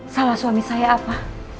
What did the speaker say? salah suami saya apa